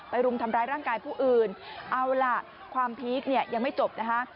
รุมทำร้ายร่างกายผู้อื่นเอาล่ะความพีคเนี่ยยังไม่จบนะคะ